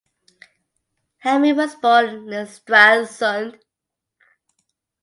Hamel was born in Stralsund.